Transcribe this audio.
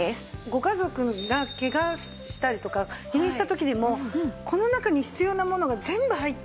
ご家族がケガしたりとか入院した時にもこの中に必要なものが全部入ってる。